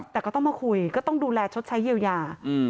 แต่ก็ต้องมาคุยก็ต้องดูแลชดใช้เยียวยา